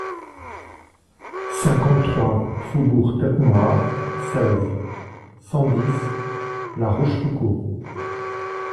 cinquante-trois faubourg Tête Noire, seize, cent dix, La Rochefoucauld